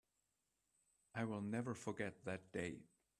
I will never forget that day.